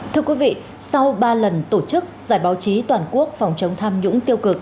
thưa quý vị sau ba lần tổ chức giải báo chí toàn quốc phòng chống tham nhũng tiêu cực